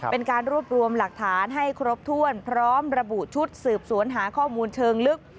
เป็นการรวบรวมหลักฐานให้ครบถ้วนพร้อมระบุชุดสืบสวนหาข้อมูลเชิงลึก